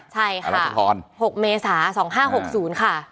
ใช่ค่ะ๖เมษา๒๕๖๐ค่ะ